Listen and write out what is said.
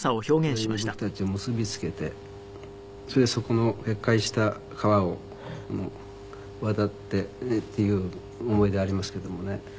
それに僕たちを結び付けてそれでそこの決壊した川を渡ってっていう思い出ありますけどもね。